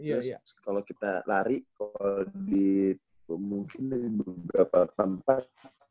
terus kalau kita lari kalau di mungkin dari beberapa tempat